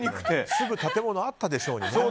すぐ建物あったでしょうに。